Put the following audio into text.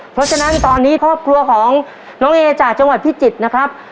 เพราะฉะนั้นตอนนี้ครอบครัวของน้องเอจากจังหวัดพิจิตรนะครับ